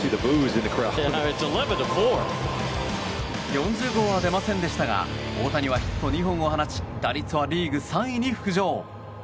４０号は出ませんでしたが大谷はヒット２安打を放ち打率はリーグ３位に浮上。